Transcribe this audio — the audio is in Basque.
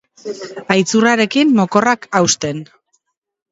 Aitzurrarekin mokorrak hausten.